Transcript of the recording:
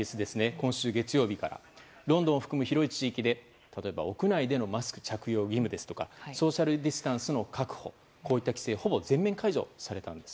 今週月曜日からロンドンを含む広い地域で例えば屋内でのマスク着用義務ですとかソーシャルディンスタンスの確保といった規制をほぼ全面解除されたんです。